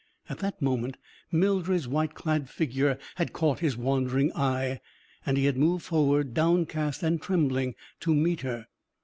At that moment, Mildred's white clad figure had caught his wandering eye. And he had moved forward, downcast and trembling, to meet her.